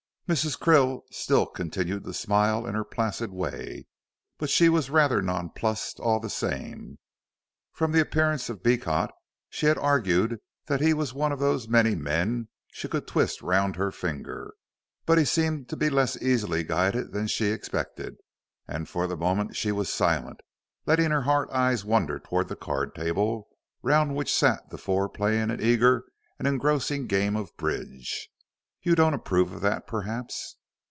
Mrs. Krill still continued to smile in her placid way, but she was rather nonplussed all the same. From the appearance of Beecot, she had argued that he was one of those many men she could twist round her finger. But he seemed to be less easily guided than she expected, and for the moment she was silent, letting her hard eyes wander towards the card table, round which sat the four playing an eager and engrossing game of bridge. "You don't approve of that perhaps?"